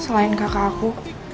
selain kakak aku